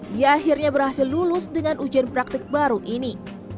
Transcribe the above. dia akhirnya berhasil lulus dengan ujian praktik baru ini